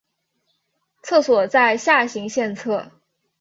厕所在下行线侧。